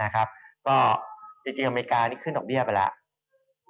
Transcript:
ก็จริงอเมริกานี่ขึ้นดอกเบี้ยไปแล้ว